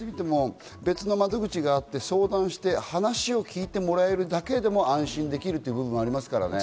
別の窓口があって相談して話を聞いてもらえるだけでも、安心できるという部分はありますからね。